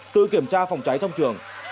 tư kiểm tra phòng cháy trong trường